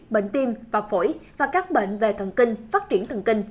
bệnh tim và phổi và các bệnh về thần kinh phát triển thần kinh